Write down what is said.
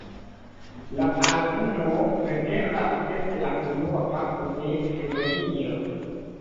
La albumo pretendas esti la unua parto de trilogio.